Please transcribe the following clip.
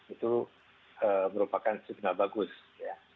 itu merupakan signal bagus ya